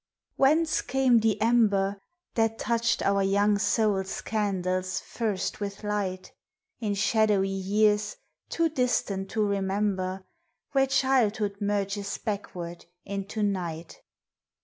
WHENCE came the ember That touched our young souls' candles first with light; In shadowy years, too distant to remember, Where childhood merges backward into night?